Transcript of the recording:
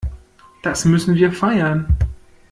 Das müssen wir feiern.